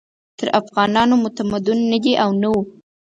تر افغانانو متمدن نه دي او نه وو.